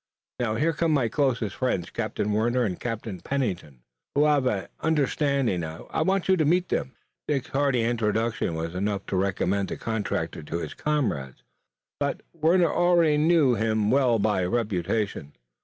Now, here come my closest friends, Captain Warner and Captain Pennington, who have understanding. I want you to meet them." Dick's hearty introduction was enough to recommend the contractor to his comrades, but Warner already knew him well by reputation.